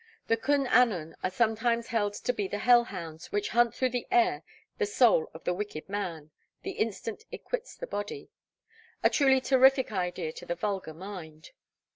The Cwn Annwn are sometimes held to be the hell hounds which hunt through the air the soul of the wicked man, the instant it quits the body a truly terrific idea to the vulgar mind.